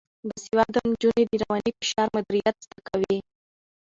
باسواده نجونې د رواني فشار مدیریت زده کوي.